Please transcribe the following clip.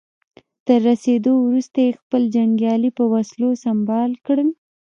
تر رسېدو وروسته يې خپل جنګيالي په وسلو سمبال کړل.